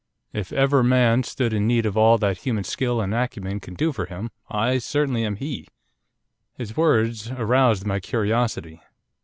If ever man stood in need of all that human skill and acumen can do for him, I certainly am he.' His words aroused my curiosity.